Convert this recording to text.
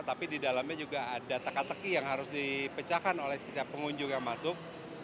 tapi di dalamnya juga ada teka teki yang harus dipecahkan oleh setiap pengunjung yang masuk